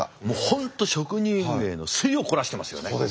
もう本当職人芸の粋を凝らしてますよね。